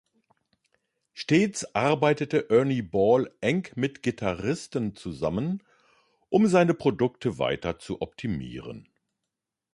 Stets arbeitete Ernie Ball eng mit Gitarristen zusammen, um seine Produkte weiter zu optimieren.